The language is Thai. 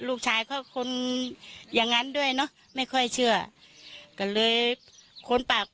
ลูกชายเขาคนอย่างงั้นด้วยเนอะไม่ค่อยเชื่อก็เลยค้นปาก